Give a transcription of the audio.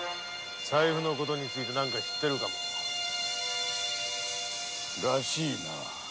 財布の事についても何か知っているかも。らしいな。